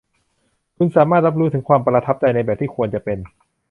คุณสามารถรับรู้ถึงความประทับใจในแบบที่ควรจะเป็น